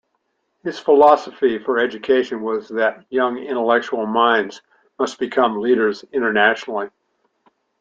His philosophy for education was that young intellectual minds must become leaders internationally.